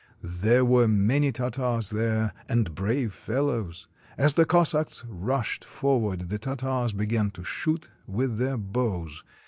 There were many Tartars there, and brave fellows! As the Cossacks rushed forward, the Tartars began to shoot with their bows.